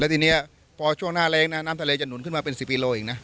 ทีนี้พอช่วงหน้าแรงนะน้ำทะเลจะหนุนขึ้นมาเป็น๑๐กิโลเองนะ